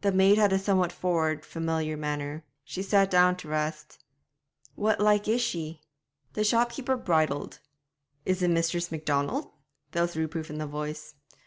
The maid had a somewhat forward, familiar manner; she sat down to rest. 'What like is she?' The shopkeeper bridled. 'Is it Mistress Macdonald?' There was reproof in the voice.